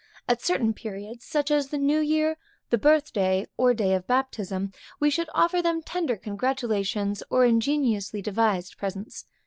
At certain periods, such as the new year, the birth day or day of baptism, we should offer them tender congratulations, or ingeniously devised presents.